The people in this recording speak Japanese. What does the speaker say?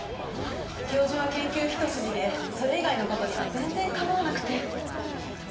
教授は研究一筋でそれ以外の事には全然構わなくて。